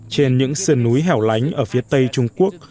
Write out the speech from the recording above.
trên những sườn núi hẻo lánh ở phía tây trung quốc